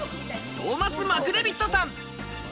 トーマス・マクデヴィットさん。